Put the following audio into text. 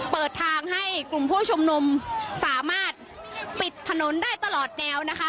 เปิดทางให้กลุ่มผู้ชุมนุมสามารถปิดถนนได้ตลอดแนวนะคะ